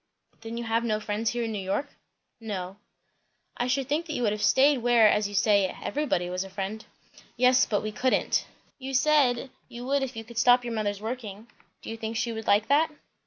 "Then you have no friends here in New York?" "No." "I should think you would have stayed where, as you say, everybody was a friend." "Yes, but we couldn't." "You said, you would if you could stop your mother's working. Do you think she would like that?"